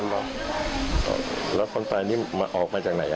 แต่เราไม่เห็นติดการตอนที่ต้องมีอะไรกันในพิทับใช่ไหม